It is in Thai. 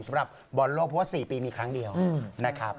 สำหรับบอลโลกเพราะว่า๔ปีมีครั้งเดียวนะครับ